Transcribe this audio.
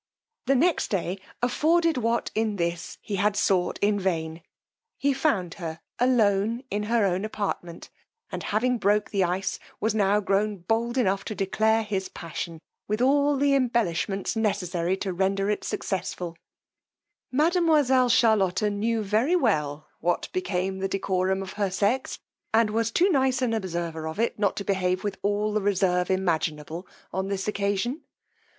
The next day afforded what in this he had sought in vain: he found her alone in her own apartment; and having broke the ice, was now grown bold enough to declare his passion, with all the embellishments necessary to render it successful: mademoiselle Charlotta knew very well what became the decorum of her sex, and was too nice an observer of it not to behave with all the reserve imaginable on this occasion.